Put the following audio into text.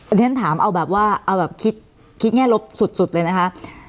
เรียนถามเอาแบบว่าเอาแบบคิดแง่ลบสุดเลยนะคะ